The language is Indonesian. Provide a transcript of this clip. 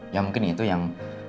ya mungkin itu yang